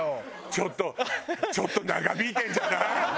ちょっとちょっと長引いてるんじゃない？